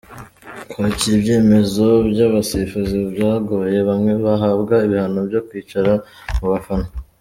Kwakira ibyemezo by’abasifuzi byagoye bamwe bahabwa ibihano byo kwicara mu bafana.